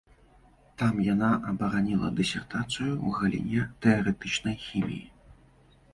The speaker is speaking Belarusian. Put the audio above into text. Там яна абараніла дысертацыю ў галіне тэарэтычнай хіміі.